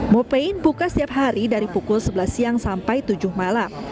mopain buka setiap hari dari pukul sebelas siang sampai tujuh malam